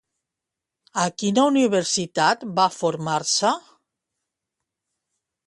A quina universitat va formar-se?